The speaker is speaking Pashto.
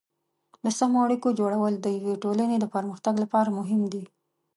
د سمو اړیکو جوړول د یوې ټولنې د پرمختګ لپاره مهم دي.